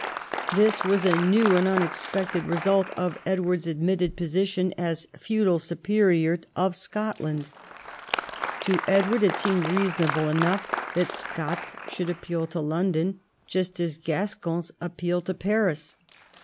This was a new and unexpected result of Edward's admitted position as feudal superior of Scot land. To Edward it seemed reasonable enough that Scots should appeal to London, just as Gascons appealed to Paris.